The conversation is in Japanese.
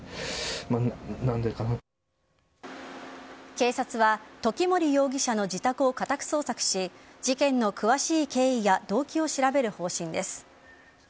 警察は時森容疑者の自宅を家宅捜索し事件の詳しい経緯や動機を調べる方針です。